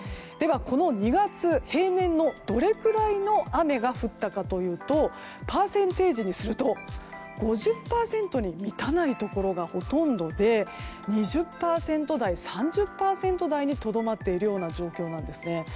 ではこの２月平年のどれくらいの雨が降ったかというとパーセンテージにすると５０％に満たないところがほとんどで２０％台、３０％台にとどまっているような状況です。